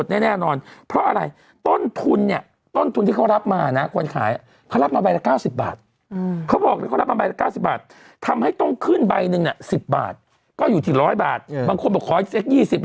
อืมอืมอืมอืมอืมอืมอืมอืมอืมอืมอืมอืมอืมอืมอืมอืมอืมอืม